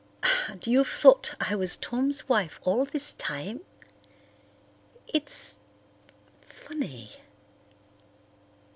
And you've thought I was Tom's wife all this time? It's—funny."